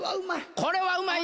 これはうまいね。